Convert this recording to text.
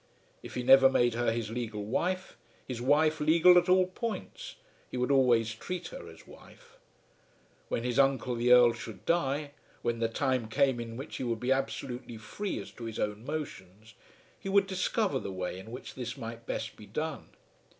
If he never made her his legal wife, his wife legal at all points, he would always treat her as wife. When his uncle the Earl should die, when the time came in which he would be absolutely free as to his own motions, he would discover the way in which this might best be done.